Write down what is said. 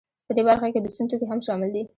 په دې برخه کې د سون توکي هم شامل دي